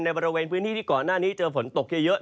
บริเวณพื้นที่ที่ก่อนหน้านี้เจอฝนตกเยอะ